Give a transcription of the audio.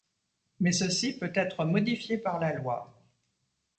Mais ceci peut être modifié par la loi.